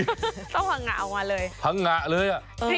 ต้องหังงะออกมาเลย